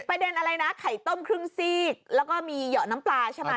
ประเด็นอะไรนะไข่ต้มครึ่งซีกแล้วก็มีเหยาะน้ำปลาใช่ไหม